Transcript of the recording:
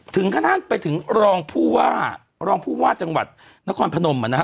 ถึงขั้นไปถึงรองผู้ว่ารองผู้ว่าจังหวัดนครพนมอ่ะนะฮะ